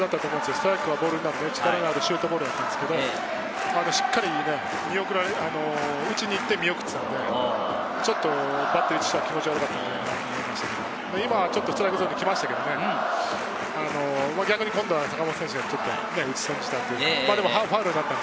ストライクがボールになって、力のあるシュートボールだったんですけど、しっかり打ちにいって見送っていったので、ちょっとバッテリーとしては気持ち悪かったんじゃないかと思いますけど、今のはストライクゾーンにいきましたけど、逆に今度は坂本選手が打ち損じたという。